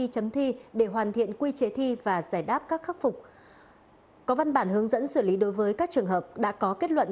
xin chào các bạn